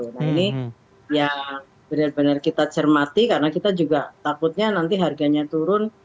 nah ini yang benar benar kita cermati karena kita juga takutnya nanti harganya turun